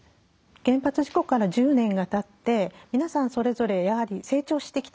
原発事故から１０年がたって皆さんそれぞれやはり成長してきた。